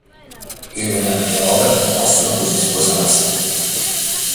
Elena e Robert possono così sposarsi.